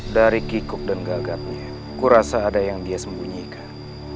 dari kikuk dan gagapnya kurasa ada yang dia sembunyikan